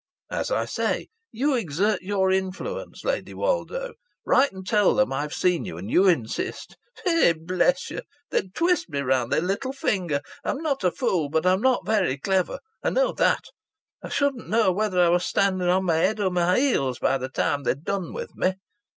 "As I say you exert your influence, Lady Woldo. Write and tell them I've seen you and you insist " "Eh! Bless you! They'd twist me round their little finger. I'm not a fool, but I'm not very clever I know that. I shouldn't know whether I was standing on my head or my heels by the time they'd done with me.